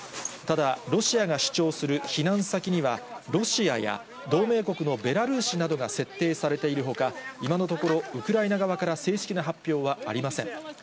ただ、ロシアが主張する避難先には、ロシアや同盟国のベラルーシなどが設定されているほか、今のところ、ウクライナ側から正式な発表はありません。